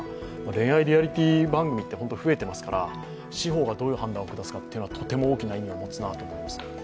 恋愛リアリティー番組って本当に増えていますから司法がどういう判断を下すかというのはとても大きな意味を持つと思います。